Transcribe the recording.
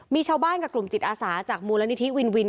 มีชาวบ้านกับกลุ่มจิตอาสาจากมูลนิธิวินวิน